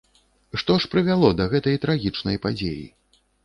Што ж прывяло да гэтай трагічнай падзеі?